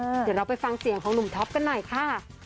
เดี๋ยวเราไปฟังเสียงของหนุ่มท็อปกันหน่อยค่ะ